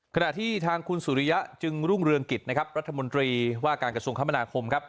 ขณะที่ทางคุณสุริยะจึงรุ่งเรืองกิจนะครับรัฐมนตรีว่าการกระทรวงคมนาคมครับ